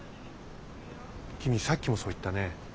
君さっきもそう言ったね。